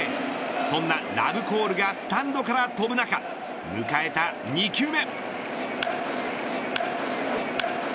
そんなラブコールがスタンドから飛ぶ中迎えた２球目。